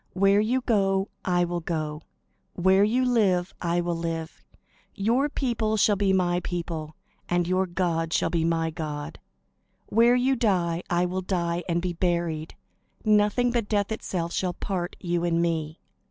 Where you go, I will go; where you live, I will live; your people shall be my people; and your God shall be my God. Where you die, I will die, and be buried. Nothing but death itself shall part you and me."